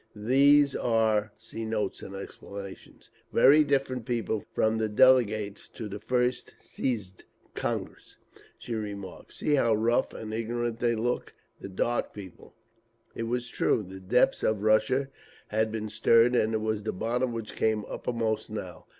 "These are very different people from the delegates to the first Siezd (Congress)," she remarked. "See how rough and ignorant they look! The Dark People…." It was true; the depths of Russia had been stirred, and it was the bottom which came uppermost now.